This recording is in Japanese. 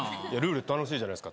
楽しいじゃないですか。